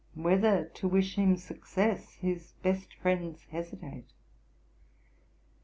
Whether to wish him success, his best friends hesitate.